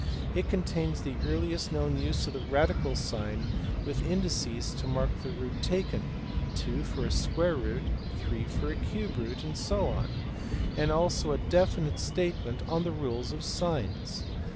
It contains the earliest known use of the radical sign with indices to mark the root taken, 2 for a square root, 3 for a cube root, and so on; and also a definite statement of the rule of signs.